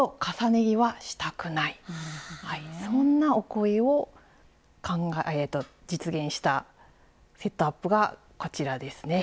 そんなお声を実現したセットアップがこちらですね。